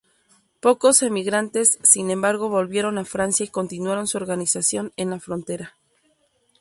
Pocos emigrantes, sin embargo, volvieron a Francia, y continuaron su organización en la frontera.